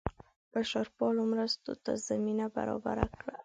بشرپالو مرستو ته زمینه برابره کړه.